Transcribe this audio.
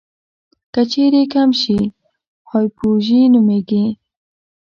که چیرې کم شي هایپوژي نومېږي.